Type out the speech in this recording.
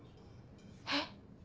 えっ！